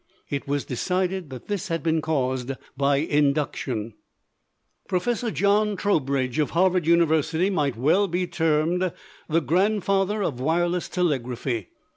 It was decided that this had been caused by induction. Prof. John Trowbridge, of Harvard University, might well be termed the grandfather of wireless telegraphy.